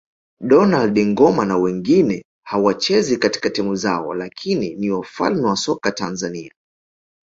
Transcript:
Donald Ngoma na wengine hawachezi katika timu zao lakini ni wafalme wa soka Tanzania